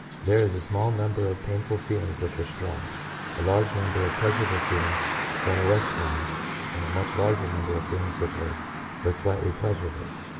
There is a small number of painful feelings which are strong, a large number of pleasur able feelings that are less strong, and a much larger number of feelings which are but slightly pleasurable.